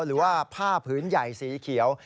หรือว่าผ้าผืนใหญ่สีเขียว